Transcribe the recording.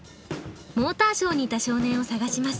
モーターショーにいた少年を探します。